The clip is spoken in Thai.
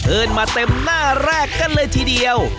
มาเต็มหน้าแรกกันเลยทีเดียว